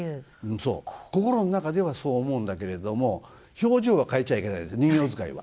そう心の中ではそう思うんだけれども表情は変えちゃいけないんです人形遣いは。